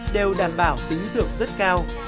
đều đảm bảo tính dược rất cao